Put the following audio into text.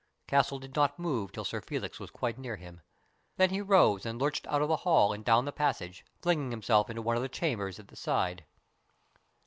Castle did not move till Sir Felix was quite near him. Then he rose and lurched out of the hall and down the passage, flinging himself into one of the chambers at the side.